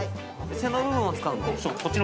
背の部分を使うの？